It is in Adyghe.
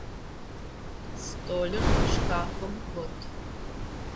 Столыр щкафым гот.